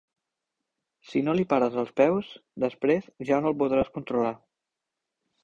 Si no li pares els peus, després ja no el podràs controlar.